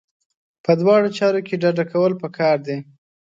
په دواړو چارو کې ډډه کول پکار دي.